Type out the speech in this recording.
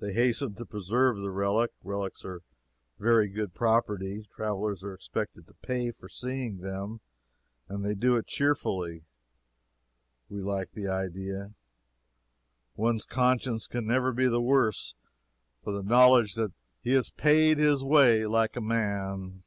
They hastened to preserve the relic. Relics are very good property. Travelers are expected to pay for seeing them, and they do it cheerfully. We like the idea. One's conscience can never be the worse for the knowledge that he has paid his way like a man.